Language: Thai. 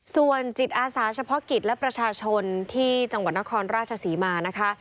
ส่วนจิตอาสาเฉพาะกิจและประชาชนที่จังหวัดนครราชศรีมานะคะ